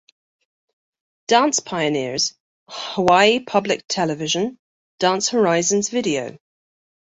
Dance Pioneers; Hawaii Public Television; Dance Horizons Video.